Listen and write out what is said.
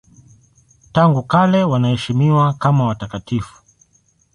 Tangu kale wanaheshimiwa kama watakatifu.